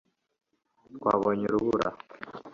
Twabonye urubura